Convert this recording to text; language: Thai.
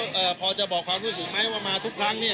เอ่อพอจะบอกความรู้สึกไหมว่ามาทุกครั้งเนี่ย